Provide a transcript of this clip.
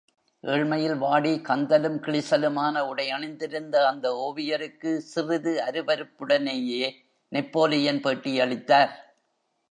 ஏழ்மையில் வாடி, கந்தலும் கிழிசலுமான உடை அணிந்திருந்த அந்த ஒவியருக்கு சிறிது அருவருப்புடனேயே நெப்போலியன் பேட்டி அளித்தார்.